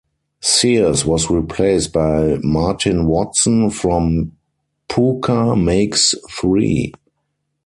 Sears was replaced by Martyn Watson from Pookah Makes Three.